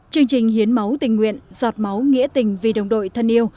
chương trình hiến máu tình nguyện giọt máu nghĩa tình vì đồng đội thân yêu